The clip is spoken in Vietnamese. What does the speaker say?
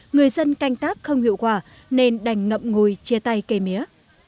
người dân canh tác không hiệu quả nên đành ngậm ngùi chia tay cây mía